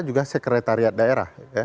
juga sekretariat daerah